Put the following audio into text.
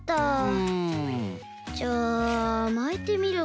うん。じゃあまいてみるか。